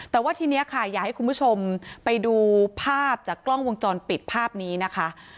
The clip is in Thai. แต่ว่าทีนี้ค่ะอยากให้คุณผู้ชมไปดูภาพจากกล้องวงจรปิดภาพนี้นะคะ